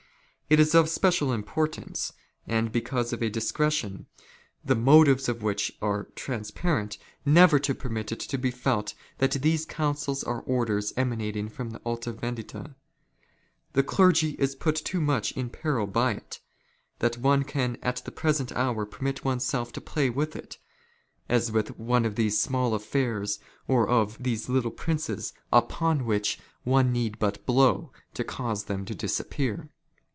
" It is of special importance, and because of a discretion, the •' motives of which are transparent, never to permit it to be felt " that these counsels are orders emanating from the Alta Vendita. '' The clergy is put too much in peril by it, that one can at the " present hour permit oneself to play with it, as with one of these '' small affairs or of these little princes upon which one need but " blow to cause them to disappear.